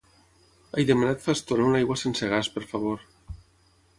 He demanat fa estona una aigua sense gas, per favor.